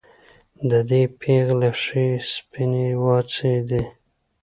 د دې پېغلې ښې سپينې واڅې دي